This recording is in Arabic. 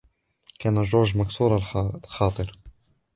كان جورج مكسور الخاطر.